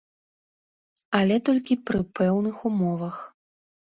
Але толькі пры пэўных умовах.